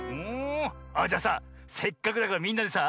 あじゃあさせっかくだからみんなでさ